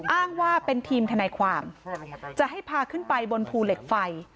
อ้างว่าเป็นทีมทนายความจะให้พาขึ้นไปบนภูเหล็กไฟ